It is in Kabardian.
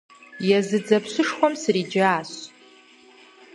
Езы дзэпщышхуэм сриджащ!